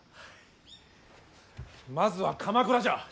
まずは鎌倉じゃ。